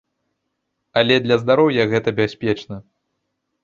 Але для здароўя гэта бяспечна.